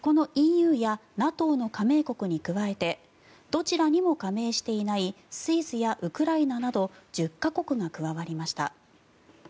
このＥＵやＮＡＴＯの加盟国に加えてどちらにも加盟していないスイスやウクライナなど１０か国が加わりました。